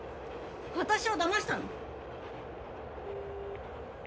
私をだましたの！？